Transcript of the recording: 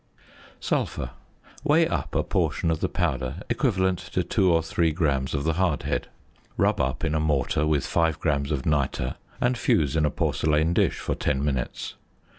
~Sulphur.~ Weigh up a portion of the powder equivalent to 2 or 3 grams of the hardhead. Rub up in a mortar with 5 grams of nitre and fuse in a porcelain dish for ten minutes.